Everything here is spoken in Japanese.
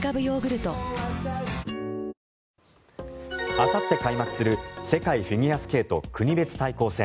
あさって開幕する世界フィギュアスケート国別対抗戦。